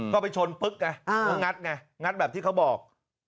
ก็ไปชนปึ๊กไงก็งัดไงงัดแบบที่เขาบอก